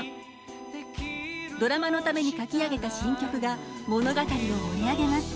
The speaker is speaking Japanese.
ドラマのために書き上げた新曲が物語を盛り上げます。